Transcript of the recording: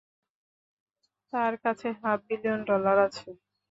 তার কাছে half billion dollar আছে।